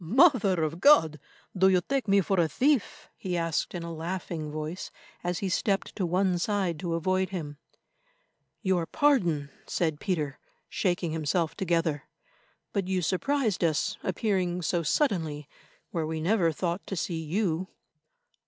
"Mother of God! do you take me for a thief?" he asked in a laughing voice, as he stepped to one side to avoid him. "Your pardon," said Peter, shaking himself together; "but you surprised us appearing so suddenly where we never thought to see you."